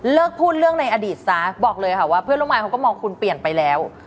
พูดเรื่องในอดีตซะบอกเลยค่ะว่าเพื่อนร่วมงานเขาก็มองคุณเปลี่ยนไปแล้ว